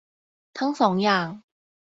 ทั้งสองอย่าง